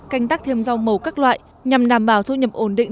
canh tác thêm rau màu các loại nhằm đảm bảo thu nhập ổn định